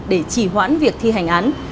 để chỉ hoãn việc thi hành án